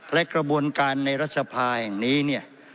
และกระบวนการในรัฐสภาแห่งนี้เนี่ย